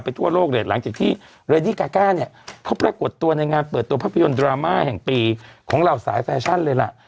ภาพยนตร์ดราม่าแห่งปีของเหล่าสายแฟชั่นเลยล่ะ